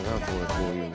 こういうの。